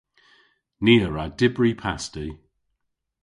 Ni a wra dybri pasti.